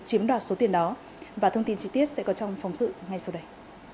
chiếm đoạt số tiền đó và thông tin trí tiết sẽ có trong phóng sự ngay sau đây